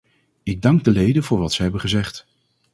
Ik dank de leden voor wat ze hebben gezegd.